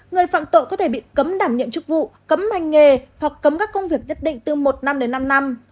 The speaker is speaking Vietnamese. người phạm tội có thể bị cấm đảm nhiệm chức vụ cấm hành nghề hoặc cấm các công việc nhất định từ một năm đến năm năm